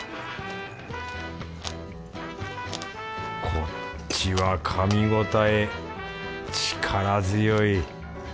こっちはかみ応え力強い。